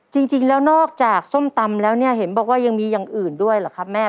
จริงแล้วนอกจากส้มตำแล้วเนี่ยเห็นบอกว่ายังมีอย่างอื่นด้วยเหรอครับแม่